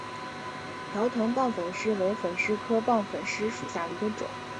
瓢箪藤棒粉虱为粉虱科棒粉虱属下的一个种。